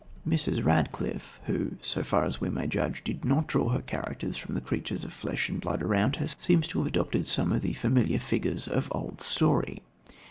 Mrs. Radcliffe, who, so far as we may judge, did not draw her characters from the creatures of flesh and blood around her, seems to have adopted some of the familiar figures of old story.